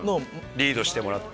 リードしてもらって。